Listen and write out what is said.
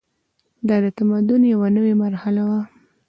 دا د تمدن یوه نوې مرحله وه.